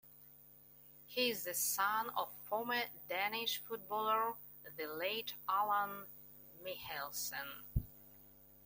He is the son of former Danish footballer, the late Allan Michaelsen.